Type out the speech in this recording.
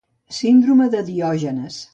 Síndrome de Diògenes.